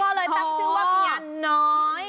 ก็เลยตั้งชื่อว่าเมียน้อย